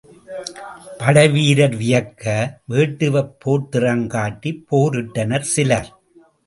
படைவீரர் வியக்க, வேட்டுவப் போர்த்திறங் காட்டிப் போரிட்டனர் சிலர்.